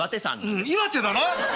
うん岩手だな。